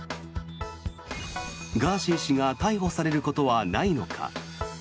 ガーシー氏が逮捕されることはないのか。